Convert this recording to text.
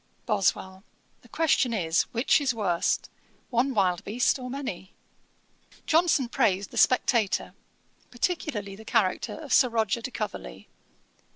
BOSWELL. 'The question is, which is worst, one wild beast or many?' Johnson praised The Spectator, particularly the character of Sir Roger de Coverley.